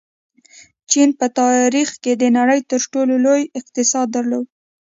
چین په تاریخ کې د نړۍ تر ټولو لوی اقتصاد درلود.